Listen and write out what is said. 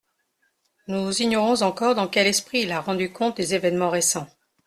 Nous ignorons encore dans quel esprit il a rendu compte des événements récents.